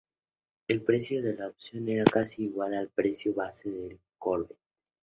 El precio de la opción era casi igual al precio base del Corvette.